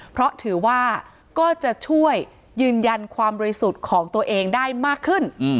เพราะถือว่าก็จะช่วยยืนยันความบริสุทธิ์ของตัวเองได้มากขึ้น